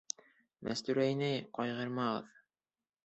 Мәстүрә инәй, ҡайғырмағыҙ...